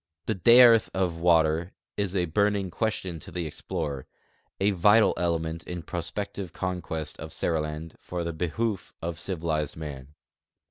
The dearth of water is a burning ques tion to the explorer, a vital element in prospective conquest of Seriland for the behoof of civilized man.